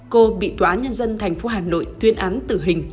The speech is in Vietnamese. cô bị tòa nhân dân thành phố hà nội tuyên án tử hình